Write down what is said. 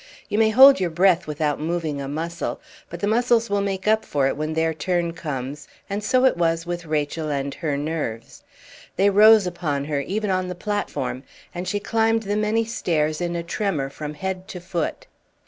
You may hold your breath without moving a muscle, but the muscles will make up for it when their turn comes, and it was so with Rachel and her nerves; they rose upon her even on the platform, and she climbed the many stairs in a tremor from head to foot.